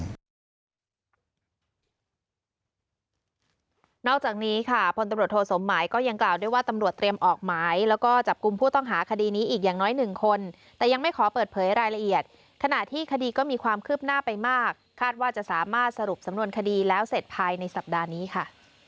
นอกจากนี้ค่ะพลตำรวจโทสมหมายก็ยังกล่าวด้วยว่าตำรวจเตรียมออกหมายแล้วก็จับกลุ่มผู้ต้องหาคดีนี้อีกอย่างน้อยหนึ่งคนแต่ยังไม่ขอเปิดเผยรายละเอียดขณะที่คดีก็มีความคืบหน้าไปมากคาดว่าจะสามารถสรุปสำนวนคดีแล้วเสร็จภายในสัปดาห์นี้ค่ะ